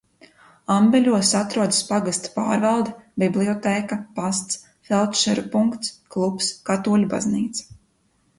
Ambeļos atrodas pagasta pārvalde, bibliotēka, pasts, feldšeru punkts, klubs, katoļu baznīca.